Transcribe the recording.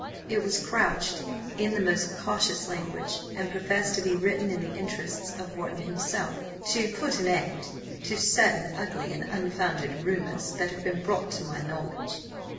It was couched in the most cautious language, and professed to be written in the interests of Wharton himself, to put an end "to certain ugly and unfounded rumours that have been brought to my knowledge."